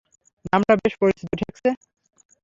নামটা বেশ পরিচিত ঠেকছে!